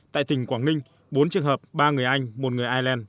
tại tỉnh quảng ninh bốn trường hợp ba người anh một người ireland